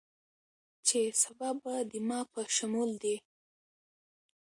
چې سبا به دما په شمول دې